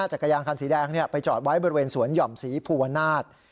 จักรยานคันสีแดงไปจอดไว้บริเวณสวนหย่อมศรีภูวนาศ